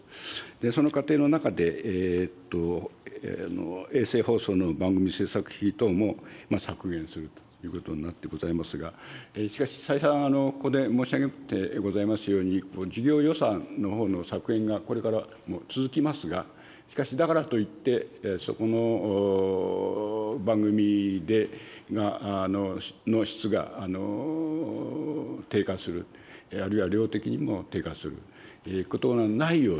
その過程の中で、衛星放送の番組制作費等も削減するということになってございますが、しかし、再三ここで申し上げてございますように、事業予算のほうの削減がこれからも続きますが、しかし、だからといって、そこの番組の質が低下する、あるいは量的にも低下することのないように、